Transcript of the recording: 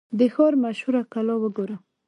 د ښار مشهوره کلا وګورم.